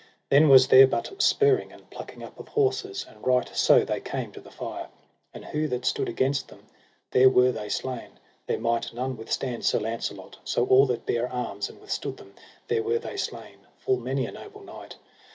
Then was there but spurring and plucking up of horses, and right so they came to the fire. And who that stood against them, there were they slain; there might none withstand Sir Launcelot, so all that bare arms and withstood them, there were they slain, full many a noble knight.